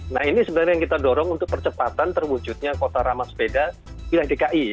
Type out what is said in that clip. nah ini sebenarnya yang kita dorong untuk percepatan terwujudnya kota ramah sepeda wilayah dki